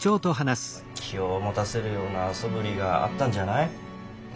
気を持たせるようなそぶりがあったんじゃない？